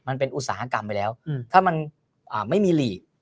อุตสาหกรรมไปแล้วถ้ามันไม่มีหลีก